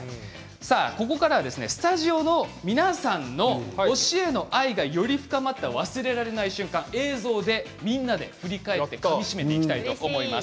ここからは、スタジオの皆さんの推しへの愛がより深まった忘れられない瞬間映像でみんなで振り返ってかみしめていこうと思います。